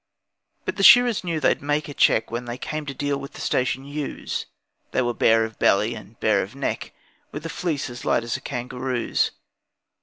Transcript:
But the shearers knew that they'd make a cheque When they came to deal with the station ewes; They were bare of belly and bare of neck With a fleece as light as a kangaroo's.